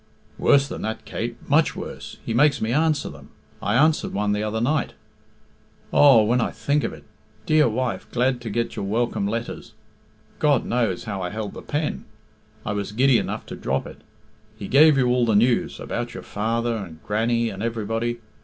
"Worse than that, Kate much worse he makes me answer them. I answered one the other night. Oh, when I think of it! Dear wife, glad to get your welcome letters. God knows how I held the pen I was giddy enough to drop it. He gave you all the news about your father, and Grannie, and everybody.